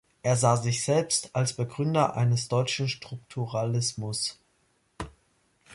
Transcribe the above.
Er sah sich selbst als Begründer eines deutschen Strukturalismus.